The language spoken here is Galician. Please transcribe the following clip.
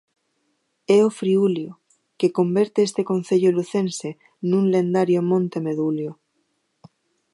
É o Friulio, que converte este concello lucense nun lendario monte Medulio.